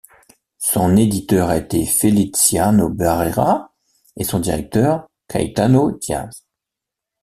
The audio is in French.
Son éditeur a été Feliciano Barrera et son directeur Caetano Díaz.